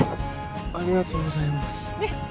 ありがとうございます